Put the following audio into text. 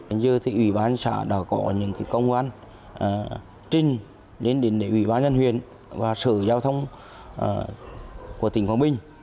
bây giờ thì ủy ban xã đã có những công an trinh đến để ủy ban nhân huyền và sửa giao thông của tỉnh quang binh